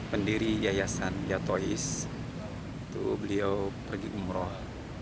pendiri yayasan yatois itu beliau pergi umroh